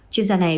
chuyên gia này